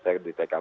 saya di tkp